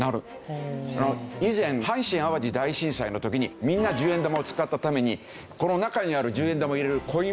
以前阪神・淡路大震災の時にみんな１０円玉を使ったためにこの中にある１０円玉を入れるコインボックス